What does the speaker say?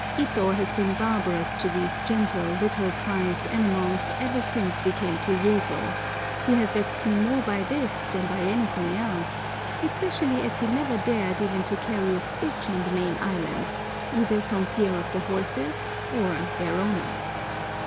Ito has been barbarous to these gentle, little prized animals ever since we came to Yezo; he has vexed me more by this than by anything else, especially as he never dared even to carry a switch on the main island, either from fear of the horses or their owners.